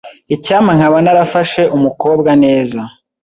Icyampa nkaba narafashe umukobwa neza.